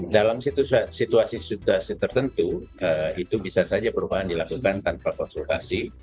dalam situasi situasi tertentu itu bisa saja perubahan dilakukan tanpa konsultasi